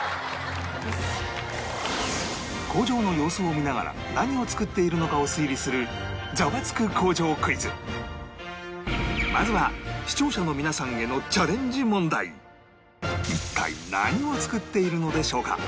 工場の様子を見ながら何を作っているのかを推理するまずは視聴者の皆さんへの一体何を作っているのでしょうか？